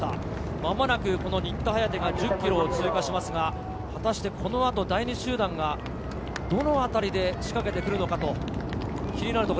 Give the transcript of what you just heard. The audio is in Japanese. まもなく新田颯が１０ｋｍを通過しますが、果たしてこの後、第２集団がどのあたりで仕掛けてくるのか、気になるところ。